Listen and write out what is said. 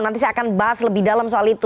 nanti saya akan bahas lebih dalam soal itu